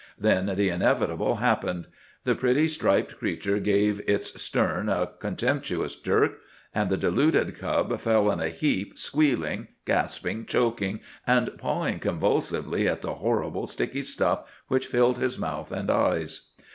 Then the inevitable happened. The pretty striped creature gave its stern a contemptuous jerk, and the deluded cub fell in a heap, squealing, gasping, choking, and pawing convulsively at the horrible sticky stuff which filled his mouth and eyes.